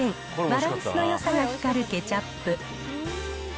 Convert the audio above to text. バランスのよさが光るケチャップ。